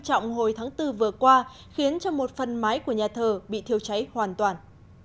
trọng hồi tháng bốn vừa qua khiến cho một phần máy của nhà thờ bị thiêu cháy hoàn toàn